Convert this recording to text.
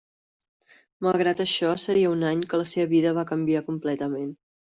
Malgrat això, seria un any que la seva vida va canviar completament.